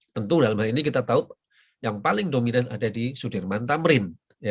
tentu dalam hal ini kita tahu yang paling dominan ada di sudirman tamrin